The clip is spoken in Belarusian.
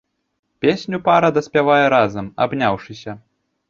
Песню пара даспявае разам, абняўшыся.